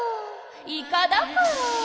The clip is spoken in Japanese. イカだから。